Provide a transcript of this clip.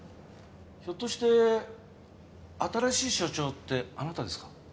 ひょっとして新しい署長ってあなたですか？